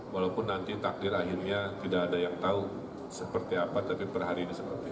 walaupun nanti takdir akhirnya tidak ada yang tahu seperti apa tapi per hari ini seperti itu